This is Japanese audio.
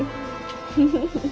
フフフッ。